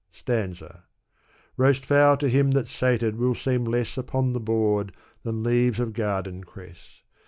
Stanza. Roast fowl to him that's sated will seem less Upon the board than leaves of garden cress.